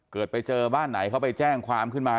เกิดไปเจอบ้านไหนเขาไปแจ้งความขึ้นมา